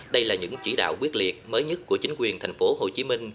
đây là những chỉ đạo quyết liệt mới nhất của chính quyền thành phố hồ chí minh